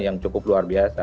yang cukup luar biasa